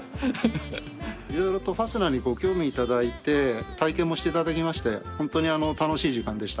色々とファスナーにご興味いただいて体験もしていただきましてホントに楽しい時間でした。